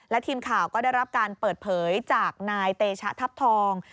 และทีมข่าวก็ได้รับการเปิดเผยจากนายเตชะทัพทอง